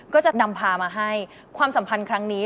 ก็จะนำพามาให้ความสัมพันธ์ครั้งนี้